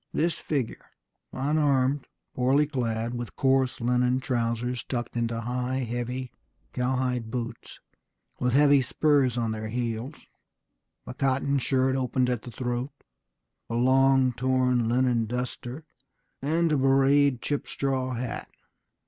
This figure, unarmed, poorly clad, with coarse linen trousers tucked into high, heavy cowhide boots, with heavy spurs on their heels, a cotton shirt opened at the throat, a long torn linen duster, and a bewrayed chip straw hat